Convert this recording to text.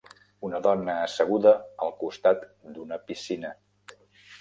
Un dona asseguda al costat d'una piscina.